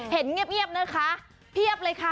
เห็นเงียบนะคะเพียบเลยค่ะ